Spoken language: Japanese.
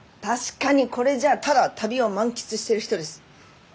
確かにこれじゃあただ旅を満喫してる人です。